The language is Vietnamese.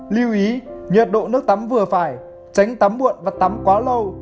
lưu ý nhiệt độ nước tắm vừa phải tránh tắm muộn và tắm quá lâu